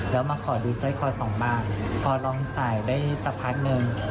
แล้วมาขอดูสร้อยคอสองบาทพอลองใส่ได้สักพักหนึ่ง